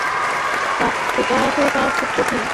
এটা তো বলা খুব কঠিন, হয়তোবা কাল হয়তোবা এক সপ্তাহ লাগতে পারে।